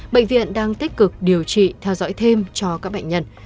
bệnh viện đang tích cực điều trị theo dõi thêm cho các bệnh nhân